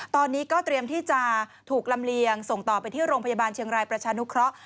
ตอนนี้ก็เตรียมที่จะถูกลำเลียงส่งต่อไปที่โรงพยาบาลเชียงรายประชานุเคราะห์